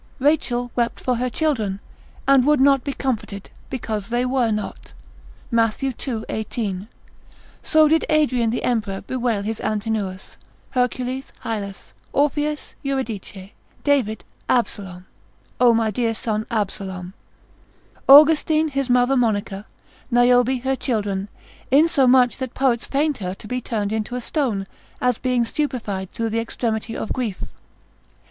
Rachel wept for her children, and would not be comforted because they were not. Matt. ii. 18. So did Adrian the emperor bewail his Antinous; Hercules, Hylas; Orpheus, Eurydice; David, Absalom; (O my dear son Absalom) Austin his mother Monica, Niobe her children, insomuch that the poets feigned her to be turned into a stone, as being stupefied through the extremity of grief.